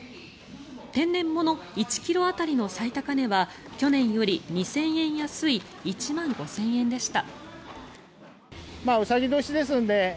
天然物１ｋｇ当たりの最高値は去年より２０００円安い１万５０００円でした。